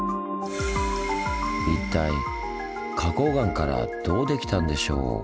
一体花こう岩からどうできたんでしょう？